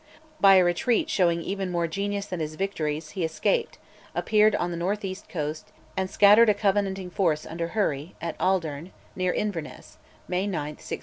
By a retreat showing even more genius than his victories, he escaped, appeared on the north east coast, and scattered a Covenanting force under Hurry, at Auldearn, near Inverness (May 9, 1645).